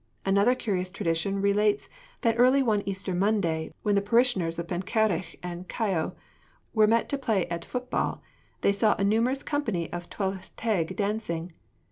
Another curious tradition relates that early one Easter Monday, when the parishioners of Pencarreg and Caio were met to play at football, they saw a numerous company of Tylwyth Teg dancing.